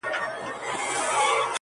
زه به نه یم ته به یې باغ به سمسور وي-